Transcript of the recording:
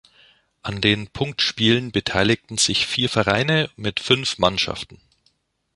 An den Punktspielen beteiligten sich vier Vereine mit fünf Mannschaften.